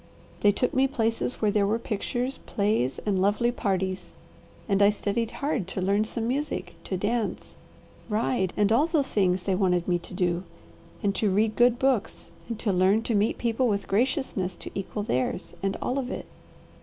They took me places where there were pictures, plays, and lovely parties, and I studied hard to learn some music, to dance, ride and all the things they wanted me to do, and to read good books, and to learn to meet people with graciousness to equal theirs, and all of it.